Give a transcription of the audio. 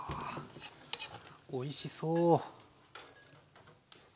おいしそう！